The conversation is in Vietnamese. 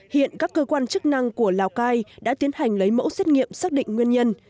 hiện các cơ quan chức năng của lào cai đã tiến hành lấy mẫu xét nghiệm xác định nguyên nhân